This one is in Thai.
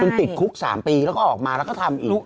คุณติดคุก๓ปีแล้วก็ออกมาแล้วก็ทำอีก